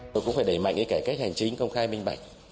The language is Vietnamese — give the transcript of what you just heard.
tôi cũng phải đẩy mạnh cái cải cách hành chính công khai minh bạch